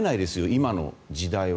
今の時代は。